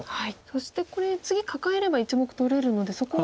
そしてこれ次カカえれば１目取れるのでそこ。